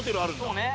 そうね。